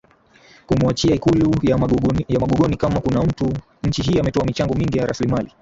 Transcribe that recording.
kumuachia Ikulu ya MagogoniKama kuna mtu nchi hii ametoa michango mingi ya rasilimali